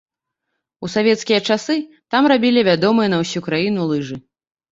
У савецкія часы там рабілі вядомыя на ўсю краіну лыжы.